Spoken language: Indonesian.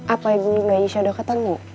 apa ibunya yesha udah ketemu